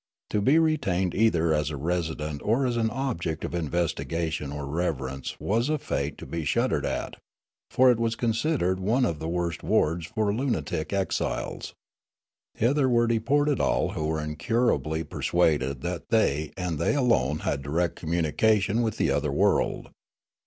To be retained either as a resident or as an object of investigation or reverence was a fate 332 Spectralia ^33 to be shuddered at, for it was considered one of the worst wards for lunatic exiles. Hither were deported all who were incurably persuaded that they and they alone had direct communication with the other world.